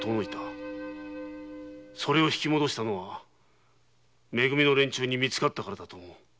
それを引き戻したのは「め組」の連中に見つかったからだと思う。